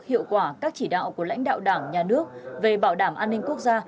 hiệu quả các chỉ đạo của lãnh đạo đảng nhà nước về bảo đảm an ninh quốc gia